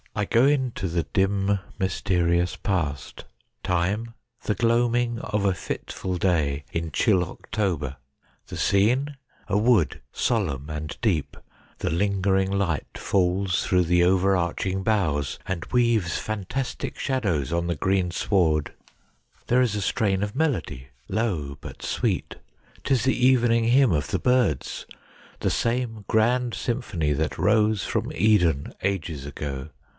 I go into the dim, mysterious past. Time : The gloaming of a fitful day in chill October. The scene : A wood, solemn and deep. The lingering light falls through the overarching boughs, and weaves fantastic shadows on the green sward. 120 STORIES WEIRD AND WONDERFUL There is a strain of melody — low, but sweet ; 'tis the evening hymn of the birds ; the same grand symphony that rose from Eden ages ago.